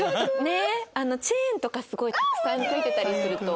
チェーンとかすごいたくさん付いてたりすると。